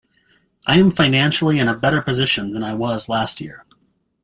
I am financially in a better position than I was last year.